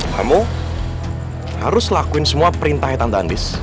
kamu harus lakuin semua perintahnya tante andis